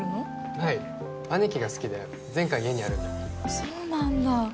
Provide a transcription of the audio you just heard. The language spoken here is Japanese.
はい兄貴が好きで全巻家にあるんでそうなんだ